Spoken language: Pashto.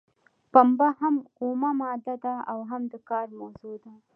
پنبه هم اومه ماده ده او هم د کار موضوع ده.